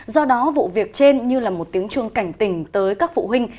do đó vụ việc trên như là một tiếng chuông cảnh tình tới các phụ huynh